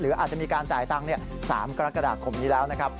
อาจจะมีการจ่ายตังค์๓กรกฎาคมนี้แล้วนะครับ